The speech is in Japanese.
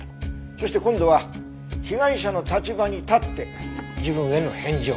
そして今度は被害者の立場に立って自分への返事を書く。